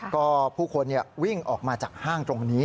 ก็ผู้คนวิ่งออกมาจากห้างตรงนี้